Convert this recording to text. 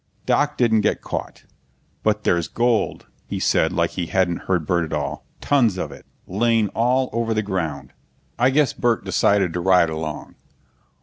Doc didn't get caught. "But there's gold," he said, like he hadn't heard Burt at all. "Tons of it laying all over the ground." I guess Burt decided to ride along.